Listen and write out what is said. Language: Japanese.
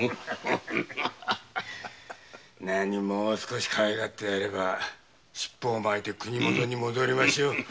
もう少しかわいがってやればシッポをまいて国もとに戻りましょう。